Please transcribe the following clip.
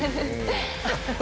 アハハハ。